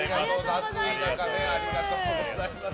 暑い中ねありがとうございます。